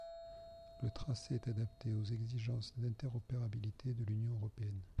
Le tracé est adapté aux exigences d'Interopérabilité de l'Union européenne.